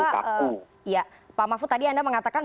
bahwa pak mahfud tadi anda mengatakan